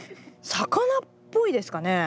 魚っぽいですかね？